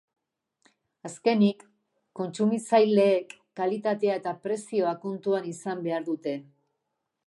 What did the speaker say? Azkenik, kontsumitzaileek kalitatea eta prezioa kontuan izan behar dute.